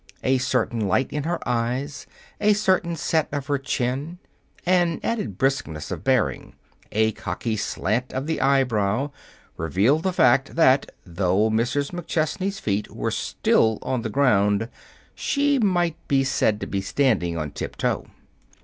A certain light in her eyes, a certain set of her chin, an added briskness of bearing, a cocky slant of the eyebrow revealed the fact that, though Mrs. McChesney's feet were still on the ground, she might be said to be standing on tiptoe.